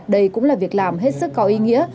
đây cũng là việc làm hết sức có ý nghĩa